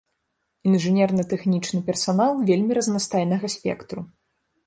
Інжынерна-тэхнічны персанал вельмі разнастайнага спектру.